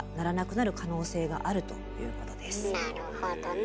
なるほどね。